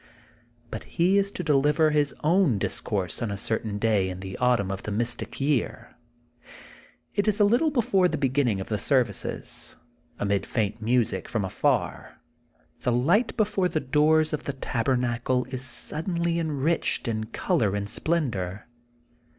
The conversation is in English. But he is to deliver his own dis , course on a certain day in the autumn of the Mystic Year. It is a little before the begin ning of the services. Amid faint music from afar the light before the doors of the taber nacle is suddenly enriched in color and splen dor.